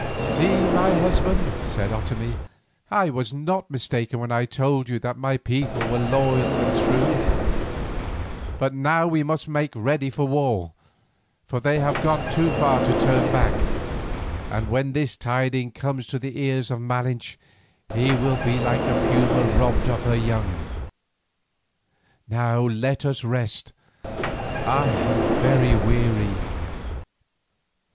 "See, my husband," said Otomie, "I was not mistaken when I told you that my people were loyal and true. But now we must make ready for war, for they have gone too far to turn back, and when this tidings comes to the ears of Malinche he will be like a puma robbed of her young. Now, let us rest, I am very weary."